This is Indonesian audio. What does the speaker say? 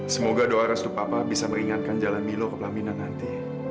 semoga doa restu papa bisa meringankan jalan milo ke pelaminan nanti